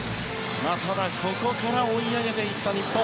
ただ、ここから追い上げていった日本。